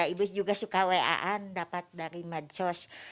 ibu juga suka wa an dapat dari medsos